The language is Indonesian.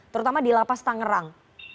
terutama di lapas tangerang